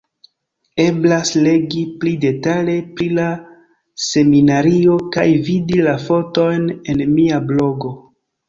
Eblas legi pli detale pri la seminario kaj vidi la fotojn en mia blogo.